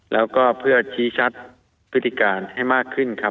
แล้วก็เพื่อชี้ชัดพฤติการให้มากขึ้นครับ